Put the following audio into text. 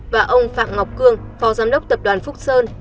và ông phạm ngọc cương phó giám đốc tập đoàn phúc sơn